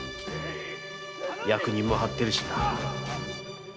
役人も張ってるしな。